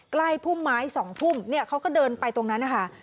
พุ่มไม้๒ทุ่มเนี่ยเขาก็เดินไปตรงนั้นนะคะ